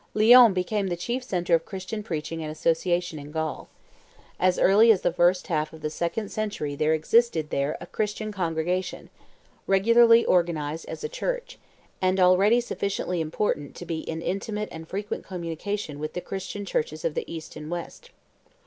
Lyons became the chief centre of Christian preaching and association in Gaul. As early as the first half of the second century there existed there a Christian congregation, regularly organized as a church, and already sufficiently important to be in intimate and frequent communication with the Christian Churches of the East and West.